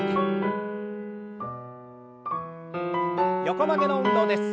横曲げの運動です。